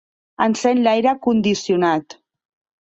Encén l'aire condicionat